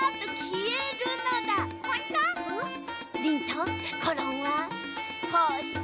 リンとコロンはこうして。